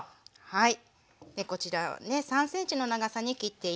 はい。